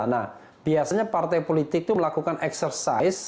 nah biasanya partai politik itu melakukan eksersis